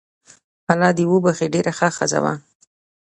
الله دي وبخښي ډیره شه ښځه وو